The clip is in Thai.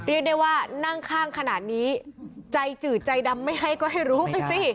เรียกได้ว่านั่งข้างขนาดนี้ใจจืดใจดำไม่ให้ก็ให้รู้ไปสิ